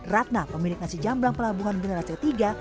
ratna pemilik nasi jamblang pelabuhan generasi ketiga